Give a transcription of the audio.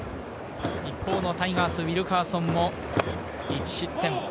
一方のタイガース、ウィルカーソンも１失点。